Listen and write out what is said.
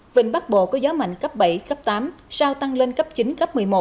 vịnh bắc bộ có gió mạnh cấp bảy cấp tám sau tăng lên cấp chín cấp một mươi một